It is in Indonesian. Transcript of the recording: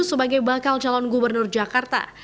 sebagai bakal calon gubernur jakarta